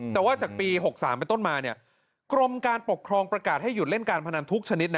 แต่ว่าจากปี๖๓เป็นต้นมากรมการปกครองประกาศให้หยุดเล่นการพนันทุกชนิด